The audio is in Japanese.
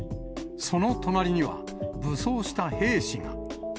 その隣には、武装した兵士が。